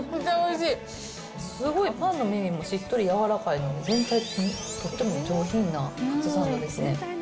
すごいパンの耳もしっとり柔らかいので、全体的にとっても上品なカツサンドですね。